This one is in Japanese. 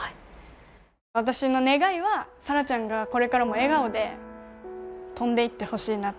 私の願いは、沙羅ちゃんがこれからも笑顔で飛んでいってほしいなと。